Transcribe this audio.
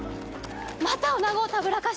またおなごをたぶらかして！